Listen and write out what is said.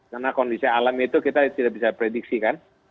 karena kondisi alam itu kita tidak bisa prediksi kan